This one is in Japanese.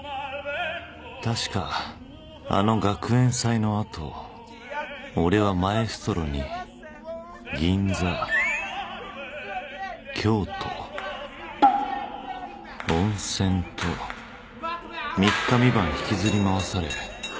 確かあの学園祭の後俺はマエストロに銀座京都温泉と３日３晩引きずり回され